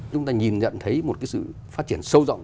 chúng ta nhìn nhận thấy một cái sự phát triển sâu rộng